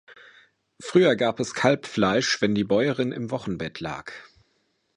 Früher gab es Kalbfleisch, wenn die Bäuerin im Wochenbett lag.